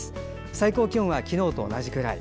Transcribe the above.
最高気温は昨日と同じくらい。